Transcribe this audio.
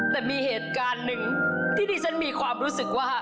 แต่มีเหตุการณ์หนึ่งที่ดิฉันมีความรู้สึกว่า